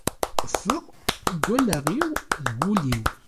Ffeɣ seg wallaɣ-iw d wul-iw.